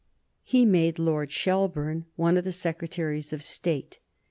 He made Lord Shelburne one of the Secretaries of State.